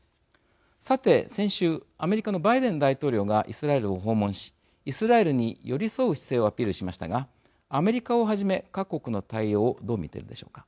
さて、先週アメリカのバイデン大統領がイスラエルを訪問しイスラエルに寄り添う姿勢をアピールしましたがアメリカをはじめ各国の対応をはい。